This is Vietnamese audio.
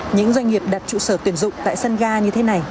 những doanh nghiệp đặt trụ sở tuyển dụng tại sân ga như thế này